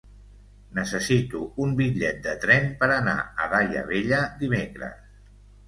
Necessito un bitllet de tren per anar a Daia Vella dimecres.